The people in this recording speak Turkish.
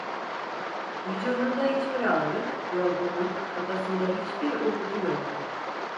Vücudunda hiçbir ağırlık, yorgunluk, kafasında hiçbir uğultu yoktu.